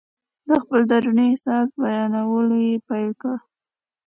د خپل دروني احساس بیانول یې پیل کړل.